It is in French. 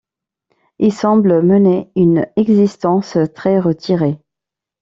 Il semble mener une existence très retirée.